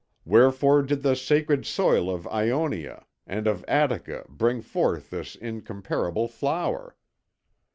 Wherefore did the sacred soil of Ionia and of Attica bring forth this incomparable flower?